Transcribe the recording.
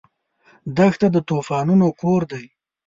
دښته د طوفانونو کور دی.